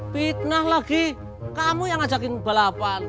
fitnah lagi kamu yang ngajakin balapan